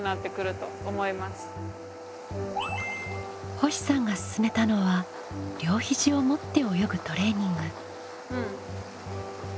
星さんが勧めたのは両肘を持って泳ぐトレーニング。